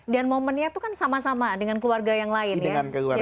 dan momennya sama sama dengan keluarga yang lain